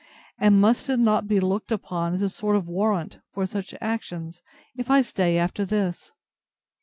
And must it not be looked upon as a sort of warrant for such actions, if I stay after this?